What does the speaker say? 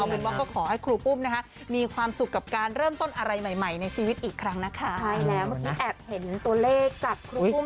เพราะช่องไทรัตร์ทีวีในการที่ติดตามอาการป่วยครูชน